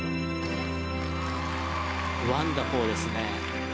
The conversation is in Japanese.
ワンダフルですね。